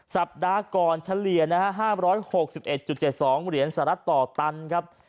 สัปดาห์ก่อนเฉลี่ยนะฮะ๕๖๑๗๒เหรียญสหรัฐต่อตันครับ